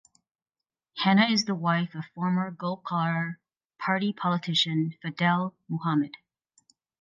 Hana is the wife of former Golkar party politician Fadel Muhammad.